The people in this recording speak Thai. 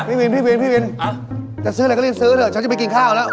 พี่บินพี่บินพี่บินจะซื้ออะไรก็รีบซื้อเถอะฉันจะไปกินข้าวแล้ว